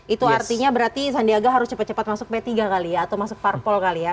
itu artinya berarti sandiaga harus cepat cepat masuk p tiga kali ya atau masuk parpol kali ya